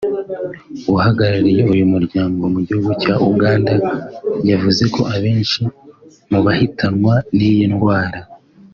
uhagarariye uyu muryango mu gihugu cya Uganda yavuze ko abenshi mu bahitanwa n’iyi ndwara